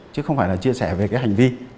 chứ không phải là chia sẻ về cái hành vi